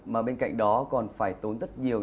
mà bên cạnh đó còn phải tốn rất nhiều